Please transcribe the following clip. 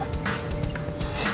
aduh aduh aduh aduh